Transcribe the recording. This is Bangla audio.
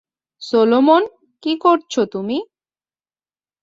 সলোমন, কী করছো তুমি?